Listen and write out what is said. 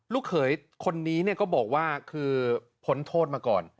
เขยคนนี้ก็บอกว่าคือพ้นโทษมาก่อน